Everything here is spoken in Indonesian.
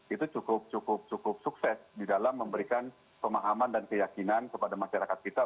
itu cukup cukup sukses di dalam memberikan pemahaman dan keyakinan kepada masyarakat kita